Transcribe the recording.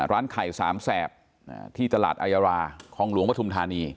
ร้านไข่สามแสบที่ตลาดอายาราคองหลวงปฐุมธานี